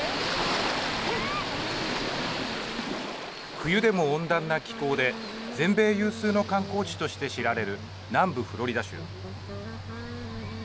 冬でも温暖な気候で全米有数の観光地として知られる南部フロリダ州。